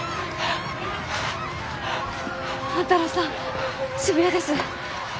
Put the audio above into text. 万太郎さん渋谷です。